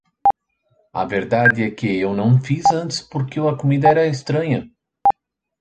A verdade é que eu não fiz antes porque a comida era estranha.